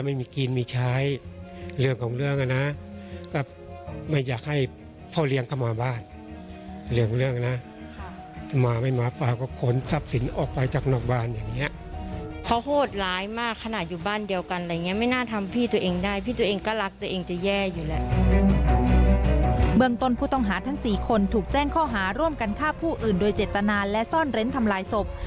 เมืองต้นผู้ต้องหาทั้ง๔คนถูกแจ้งข้อหาร่วมกันฆ่าผู้อื่นโดยเจตนาและซ่อนเร้นทำลายศพ